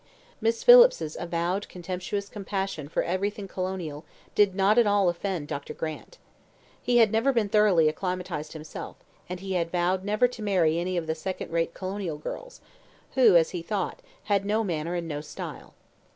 Miss Phillips's avowed contemptuous compassion for everything colonial did not at all offend Dr. Grant. He had never been thoroughly acclimatized himself, and he had vowed never to marry any of the second rate colonial girls, who, as he thought, had no manner and no style.